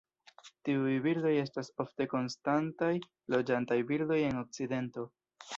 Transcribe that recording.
Tiuj birdoj estas ofte konstantaj loĝantaj birdoj en okcidento.